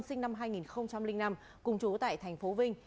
sinh năm hai nghìn năm cùng chú tại tp vinh